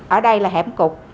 ở đây là hẻm cục